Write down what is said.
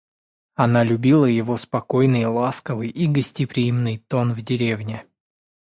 Она любила его спокойный, ласковый и гостеприимный тон в деревне.